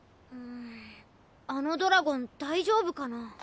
うんあのドラゴン大丈夫かな？